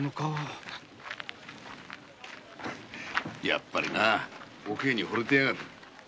やっぱりなおけいにホれてやがる。